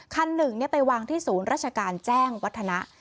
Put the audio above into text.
คันหนึ่งไปวางที่ศูนย์ราชการแจ้งวัฒนะ